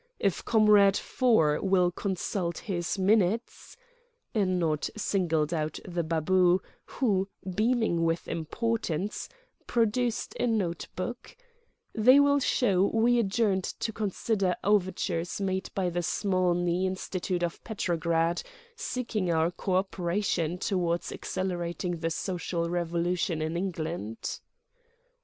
If Comrade Four will consult his minutes"—a nod singled out the babu, who, beaming with importance, produced a note book—"they will show we adjourned to consider overtures made by the Smolny Institute of Petrograd, seeking our coöperation toward accelerating the social revolution in England."